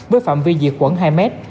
với phạm vi diệt quẩn hai mét